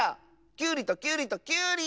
きゅうりときゅうりときゅうり！